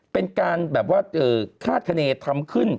เป็นการแบบว่าคาดคณีทำขึ้น